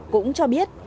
cũng cho biết